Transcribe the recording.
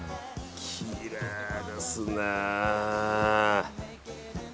きれいですね。